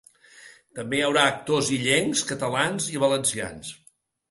També hi haurà actors illencs, catalans i valencians.